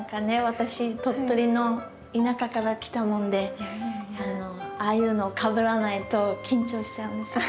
私鳥取の田舎から来たもんでああいうのをかぶらないと緊張しちゃうんですよ。